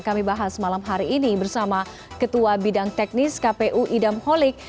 kami bahas malam hari ini bersama ketua bidang teknis kpu idam holik